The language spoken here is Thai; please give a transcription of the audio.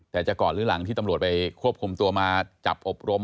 แต่จะก่อนหรือหลังที่ตำรวจไปควบคุมตัวมาจับอบรม